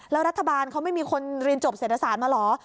แล้วรัฐบาลเขาไม่มีคนเรียนจบเศรษฐศาสตร์มาเหรอ